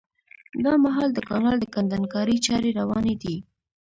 دا مهال د کانال د کندنکارۍ چاري رواني دي